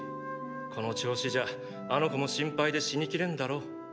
この調子じゃあの子も心配で死にきれんだろう。